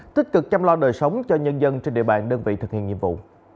tích cực chăm lo đời sống cho nhân dân trên địa bàn đơn vị thực hiện nhiệm vụ